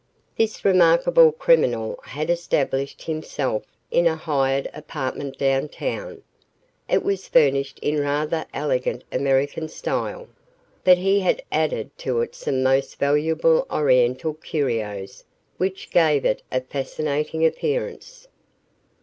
This remarkable criminal had established himself in a hired apartment downtown. It was furnished in rather elegant American style, but he had added to it some most valuable Oriental curios which gave it a fascinating appearance.